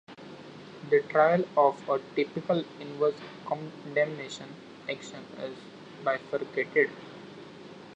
The trial of a typical inverse condemnation action is bifurcated.